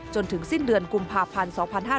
จนถึงสิ้นเดือนกุมภาพันธ์๒๕๕๙